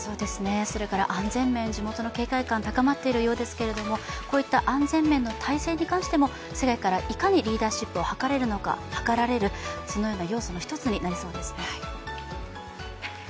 それから安全面、地元の警戒感、高まっているようですけれども、安全面の体制についてもいかにリーダーシップが図れるのか、はかられる一つの要素になりそうですね。